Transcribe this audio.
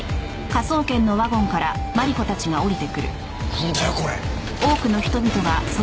なんだよこれ。